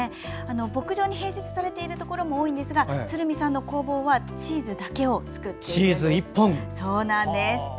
牧場に併設されているところも多いんですが鶴見さんの工房はチーズだけを作っているのです。